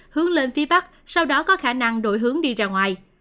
hướng lên phía bắc sau đó có khả năng đổi hướng đi ra ngoài